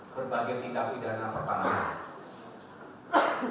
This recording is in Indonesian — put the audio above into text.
berbagai tindak pidana pertahanan